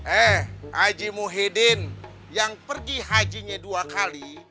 eh haji muhyiddin yang pergi hajinya dua kali